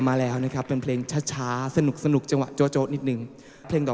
โอ้แม่แก้วสาลิกา